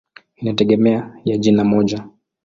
Inategemea ya jina moja.